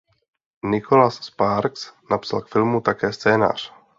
Nicholas Sparks napsal k filmu také scénář.